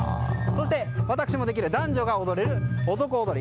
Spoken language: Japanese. そして私もできる男女が踊れる男踊り。